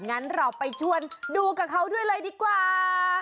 งั้นเราไปชวนดูกับเขาด้วยเลยดีกว่า